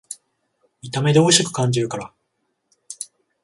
見た目でおいしく感じるから